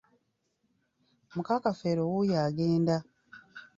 Muka Kafeero wuuyo agenda.